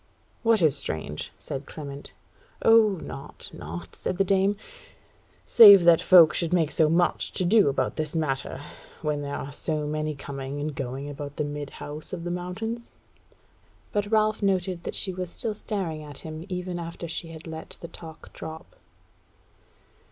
"What is strange?" said Clement. "O naught, naught," said the dame, "save that folk should make so much to do about this matter, when there are so many coming and going about the Midhouse of the Mountains." But Ralph noted that she was still staring at him even after she had let the talk drop.